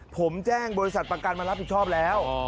ผมแจ้งบริษัทประกันมารับผิดชอบแล้ว